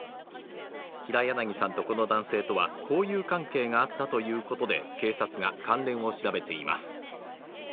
平柳さんとこの男性とは、交友関係があったということで、警察が関連を調べています。